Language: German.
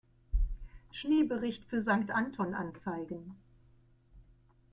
Schneebericht für Sankt Anton anzeigen.